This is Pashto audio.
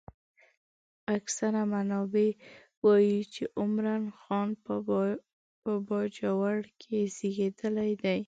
اکثر منابع وايي چې عمرا خان په باجوړ کې زېږېدلی دی.